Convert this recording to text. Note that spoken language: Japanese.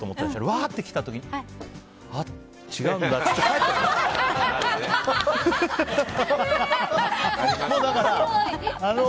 わーって来た時にあ、違うんだって帰ってったの。